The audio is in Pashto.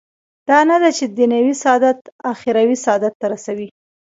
دا نه ده چې دنیوي سعادت اخروي سعادت ته رسوي.